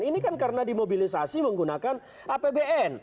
ini kan karena dimobilisasi menggunakan apbn